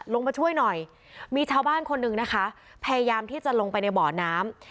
ลงมาช่วยหน่อยมีชาวบ้านคนหนึ่งนะคะพยายามที่จะลงไปในบ่อน้ำ